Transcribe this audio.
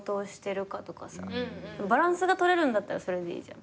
バランスが取れるんだったらそれでいいじゃん。